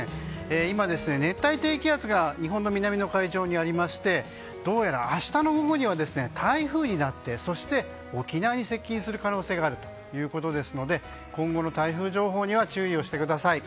今、熱帯低気圧が日本の南の海上にありましてどうやら明日の午後には台風になってそして、沖縄に接近する可能性があるということですので今後の台風情報には注意してください。